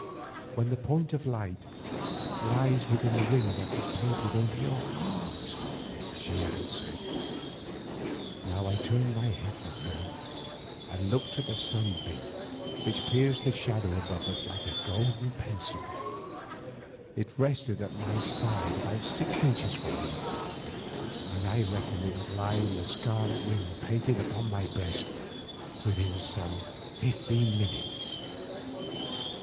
"When the point of light lies within the ring that is painted over your heart," she answered. Now I turned my head from her, and looked at the sunbeam which pierced the shadow above us like a golden pencil. It rested at my side about six inches from me, and I reckoned that it would lie in the scarlet ring painted upon my breast within some fifteen minutes.